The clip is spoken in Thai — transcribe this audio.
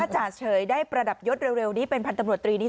จ่าเฉยได้ประดับยศเร็วนี้เป็นพันธมรตรีนี้